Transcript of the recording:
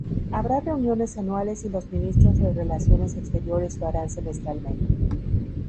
Habrá reuniones anuales y los ministros de relaciones exteriores lo harán semestralmente.